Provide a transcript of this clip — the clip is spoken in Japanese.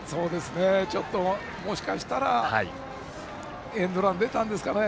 ちょっともしかしたらエンドランが出たんですかね。